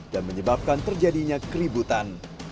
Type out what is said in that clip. dan menyebabkan terjadinya keributan